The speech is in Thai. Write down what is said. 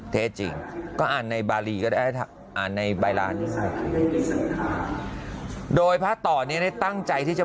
เท็จจริงก็อ่านในบารีก็ได้อ่านในบายลานโดยพระต่อเนี่ยได้ตั้งใจที่จะ